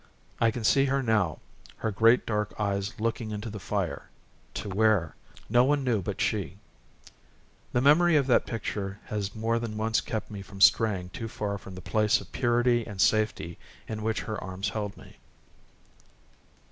I can see her now, her great dark eyes looking into the fire, to where? No one knew but her. The memory of that picture has more than once kept me from straying too far from the place of purity and safety in which her arms held me.